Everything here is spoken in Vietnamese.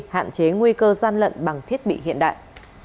hạn chế nguy cơ gian lận bằng thiết bị hiện đại